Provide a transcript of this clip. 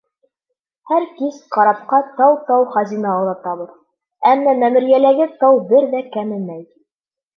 Һәр кис карапҡа тау-тау хазина оҙатабыҙ, әммә мәмерйәләге тау бер ҙә кәмемәй.